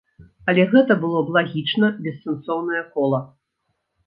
Але гэта было б лагічна бессэнсоўнае кола.